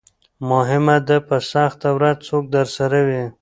مهمه ده په سخته ورځ څوک درسره وي.